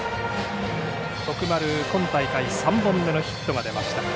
徳丸、今大会３本目のヒットが出ました。